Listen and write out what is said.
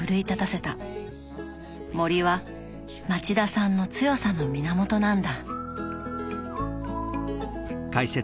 森は町田さんの強さの源なんだ。